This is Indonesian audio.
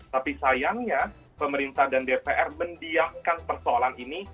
tapi sayangnya pemerintah dan dpr mendiamkan persoalan ini